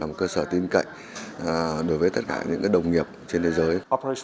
một cơ sở tin cậy đối với tất cả những đồng nghiệp trên thế giới